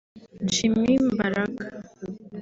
Jimmy Mbaraga